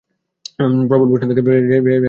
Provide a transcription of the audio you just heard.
প্রবল বর্ষণ থেকে রেহাই পেয়ে হাফ ছেড়ে বাঁচে।